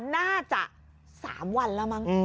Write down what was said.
น่าจะ๓วันแล้วมั้ง